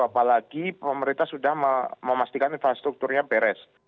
apalagi pemerintah sudah memastikan infrastrukturnya beres